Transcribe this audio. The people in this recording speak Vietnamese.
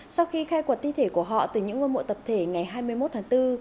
sau khi khai quật thi thể của họ từ những ngôi mộ tập thể ngày hai mươi một tháng bốn